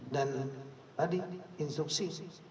dan tadi instruksi